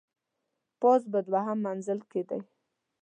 پاس په دوهم منزل کي دی .